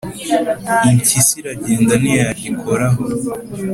Impyisi iragenda ntiyagikoraho.